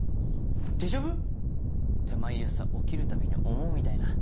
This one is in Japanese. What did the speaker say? デジャヴ？って毎朝起きるたびに思うみたいな。